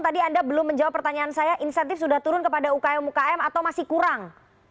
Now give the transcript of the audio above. tadi anda belum menjawab pertanyaan saya insentif sudah turun kepada ukm ukm atau masih kurang